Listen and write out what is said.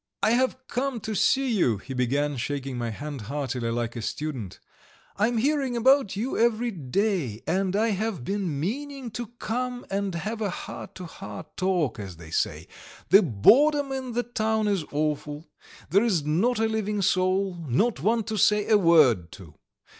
"I have come to see you," he began, shaking my hand heartily like a student. "I am hearing about you every day, and I have been meaning to come and have a heart to heart talk, as they say. The boredom in the town is awful, there is not a living soul, no one to say a word to.